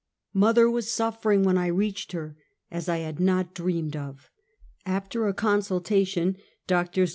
Mother was suffering when I reached her, as I had not dreamed of. After a consultation, Drs.